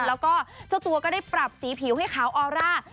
แล้วก็เจ้าตัวก็ได้ปรับสีผิวให้ขาวออร่า